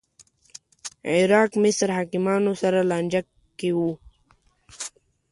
عراق مصر حاکمانو سره لانجه کې و